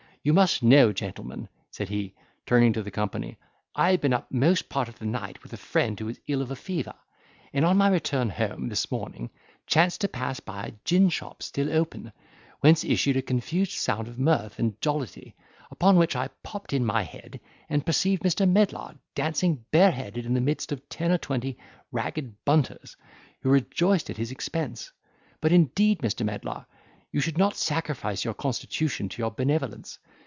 You must know, gentlemen," said he, turning to the company, "I had been up most part of the night with a friend who is ill of a fever, and, on my return home this morning, chanced to pass by a gin shop still open, whence issued a confused sound of mirth and jollity: upon which, I popped in my head, and perceived Mr. Medlar dancing bareheaded in the midst of ten or twenty ragged bunters, who rejoiced at his expense. But indeed, Mr. Medlar, you should not sacrifice your constitution to your benevolence.